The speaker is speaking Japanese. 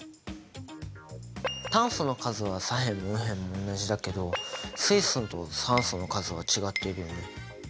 炭素の数は左辺も右辺も同じだけど水素と酸素の数は違っているよね。